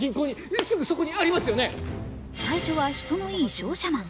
最初は人のいい商社マン。